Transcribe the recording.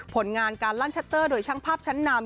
ผลงานการลั่นชัตเตอร์โดยช่างภาพชั้นนำ